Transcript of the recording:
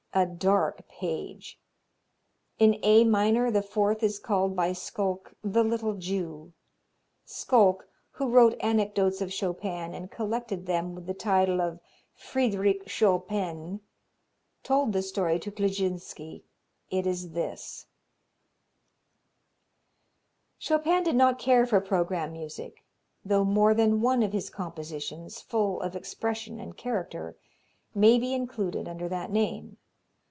A dark page! In A minor the fourth is called by Szulc the Little Jew. Szulc, who wrote anecdotes of Chopin and collected them with the title of "Fryderyk Szopen," told the story to Kleczynski. It is this: Chopin did not care for programme music, though more than one of his compositions, full of expression and character, may be included under that name.